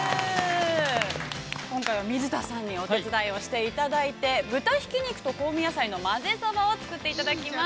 今回は水田さんにお手伝いをしていただいて、豚ひき肉と香味野菜のまぜそばを作っていただきます。